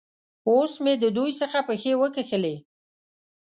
اوس مې د دوی څخه پښې وکښلې.